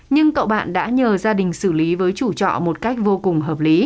nhưng cậu bạn đã nhờ gia đình xử lý với chủ trọ một cách vô cùng